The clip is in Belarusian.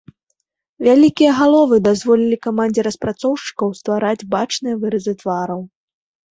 Вялікія галовы дазволілі камандзе распрацоўшчыкаў ствараць бачныя выразы твараў.